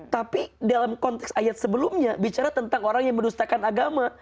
tapi dalam konteks ayat sebelumnya bicara tentang orang yang mendustakan agama